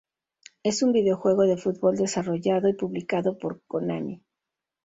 Es un videojuego de fútbol desarrollado y publicado por Konami.